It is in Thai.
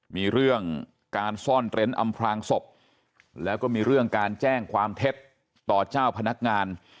มีเรื่องการซ่อนเต้นอำพลางศพแล้วก็มีเรื่องการแจ้งความเท็จต่อเจ้าพนักงาน